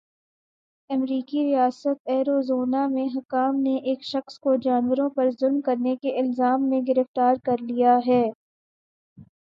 امریکی ریاست ایریزونا میں حکام نے ایک شخص کو جانوروں پر ظلم کرنے کے الزام میں گرفتار کرلیا ہے۔